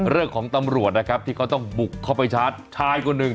เรื่องของตำรวจนะครับที่เขาต้องบุกเข้าไปชาร์จชายคนหนึ่ง